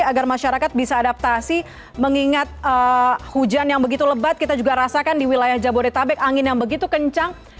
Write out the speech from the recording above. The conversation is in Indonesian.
agar masyarakat bisa adaptasi mengingat hujan yang begitu lebat kita juga rasakan di wilayah jabodetabek angin yang begitu kencang